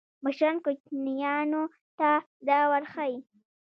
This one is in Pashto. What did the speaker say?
مشران کوچنیانو ته دا ورښيي.